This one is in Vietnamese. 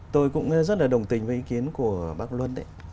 tôi cũng rất là đồng tình với ý kiến của bác luân đấy